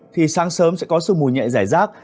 thì sáng sớm sẽ có sương mùi nhẹ dài rác